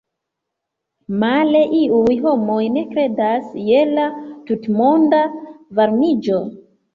Male, iuj homoj ne kredas je la tutmonda varmiĝo.